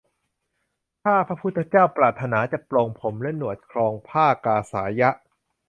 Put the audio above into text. ข้าพระพุทธเจ้าปรารถนาจะปลงผมและหนวด ครองผ้ากาสายะ